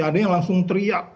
ada yang langsung teriak